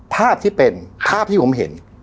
ภาพที่เป็นภาพที่ผมเห็น